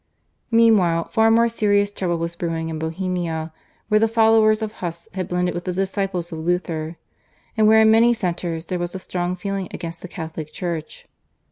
Meanwhile far more serious trouble was brewing in Bohemia, where the followers of Hus had blended with the disciples of Luther, and where in many centres there was a strong feeling against the Catholic Church.